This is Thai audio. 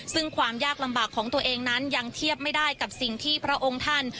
ซึ่งความยากลำบากของตัวเองนั้นยังเทียบไม่ได้กับสิ่งที่พระองค์ท่าน